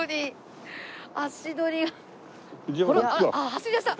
走りだした！